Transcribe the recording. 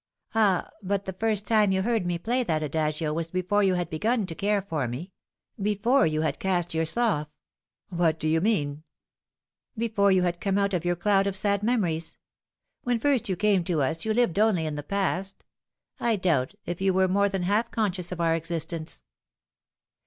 " Ah, but the first time you heard me play that adagio was before you had begun to care for me before you had cast your slough." " What do yon mean ?"" Before you had come out of your cloud of sad memories. When first you came to us you lived only in the past. I ibt if you were more than half conscious of our existence."